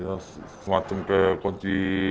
ya semacam kayak kunci